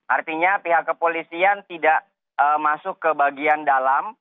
artinya pihak kepolisian tidak masuk ke bagian dalam